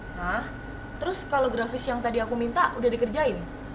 nah terus kalau grafis yang tadi aku minta udah dikerjain